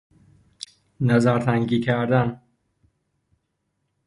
نظرتنگی کردن